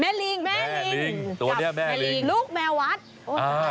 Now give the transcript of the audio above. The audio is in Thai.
แม่ลิงกับลูกแมววัดอ้าวไหนล่ะ